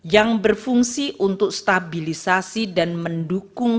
yang berfungsi untuk stabilisasi dan mendukung